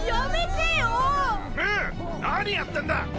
何やってんだ！